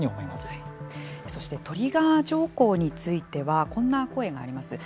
そしてトリガー条項についてはこんな声があります。